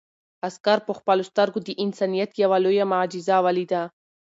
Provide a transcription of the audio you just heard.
عسکر په خپلو سترګو د انسانیت یو لویه معجزه ولیده.